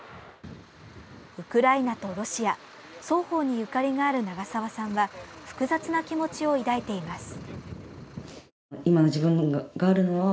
ウクライナとロシア双方にゆかりがある長澤さんは複雑な気持ちを抱いています。